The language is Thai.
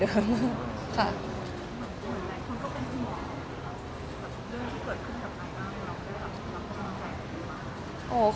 เราจะรักกำลังใจมาก